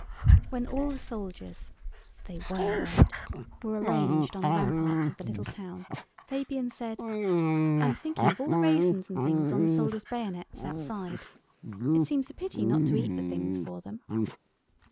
When all the soldiers (they were red) were arranged on the ramparts of the little town, Fabian said— "I am thinking of all the raisins and things on the soldiers' bayonets outside. It seems a pity not to eat the things for them."